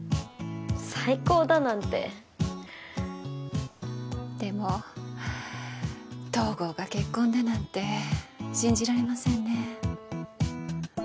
最高だなんてでも東郷が結婚だなんて信じられませんねえ